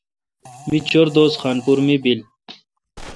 می چور دوس خان پور می بیل۔